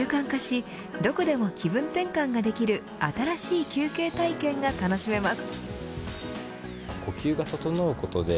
深呼吸を習慣化しどこでも気分転換ができる新しい休憩体験が楽しめます。